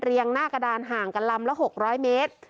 หน้ากระดานห่างกันลำละ๖๐๐เมตร